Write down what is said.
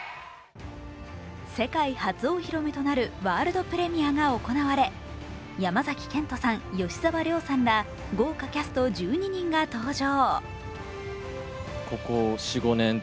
世界初お披露目となるワールドプレミアが行われ、山崎賢人さん、吉沢亮さんら豪華キャスト１２人が登場。